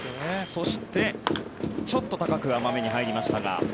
そしてちょっと高く甘めに入りましたが。